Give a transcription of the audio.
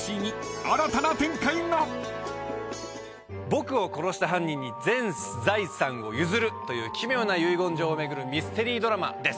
僕を殺した犯人に全財産を譲るという奇妙な遺言状を巡るミステリードラマです。